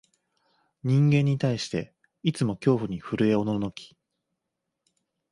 人間に対して、いつも恐怖に震いおののき、